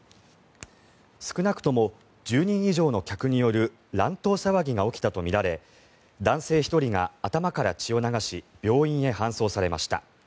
少なくとも１０人以上の客による乱闘騒ぎが起きたとみられ男性１人が頭から血を流し病院へ搬送されました。